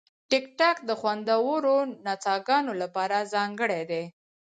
ټیکټاک د خوندورو نڅاګانو لپاره ځانګړی دی.